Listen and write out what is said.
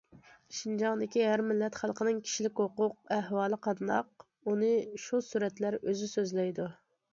شىنجاڭدىكى ھەر مىللەت خەلقىنىڭ كىشىلىك ھوقۇق ئەھۋالى قانداق؟ ئۇنى شۇ سۈرەتلەر ئۆزى سۆزلەيدۇ.